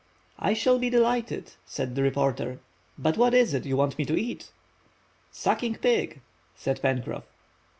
"I shall be delighted," said the reporter, "but what is it you want me to eat?" "Sucking pig," said Pencroff.